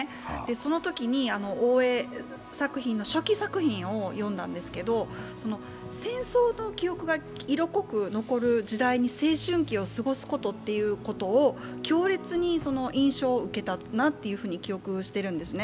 そのときに大江作品の初期作品を読んだんですけど戦争の記憶が色濃く残る時代に青春期を過ごすことを強烈に印象を受けたなと記憶しているんですね。